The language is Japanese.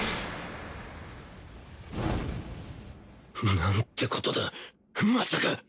なんてことだまさか！？